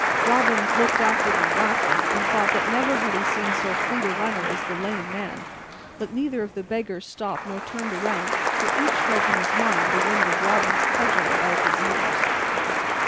Robin looked after them, laughing, and thought that never had he seen so fleet a runner as the Lame man; but neither of the beggars stopped nor turned around, for each felt in his mind the wind of Robin's cudgel about his ears.